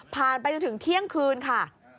ผ่านไปถึงเที่ยงคืนค่ะ